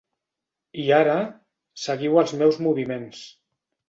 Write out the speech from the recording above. I ara, seguiu els meus moviments.